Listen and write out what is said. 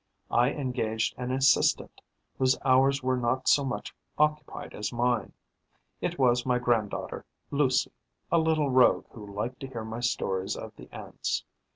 I engaged an assistant whose hours were not so much occupied as mine. It was my grand daughter Lucie, a little rogue who liked to hear my stories of the Ants.